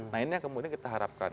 nah ini yang kemudian kita harapkan